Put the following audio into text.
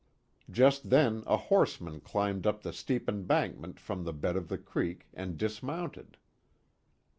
Just then a horseman climbed up the steep embankment from the bed of the creek, and dismounted.